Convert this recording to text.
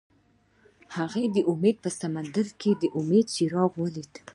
هغه د امید په سمندر کې د امید څراغ ولید.